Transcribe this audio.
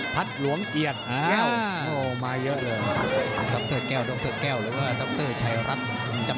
พัดหลวงเกียรติแก้วโอ้มาเยอะเดิม